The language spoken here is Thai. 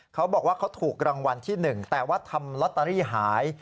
เขาบอกว่าเขาถูกรางวัลที่๑แต่ว่าทำลอตเตอรี่หาย